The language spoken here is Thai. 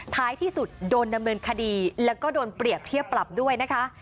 ท้ายที่สุดโดนดำเนินคดีแล้วก็โดนเปรียบเทียบปรับด้วยนะคะ